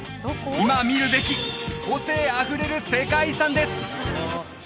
今見るべき個性あふれる世界遺産です！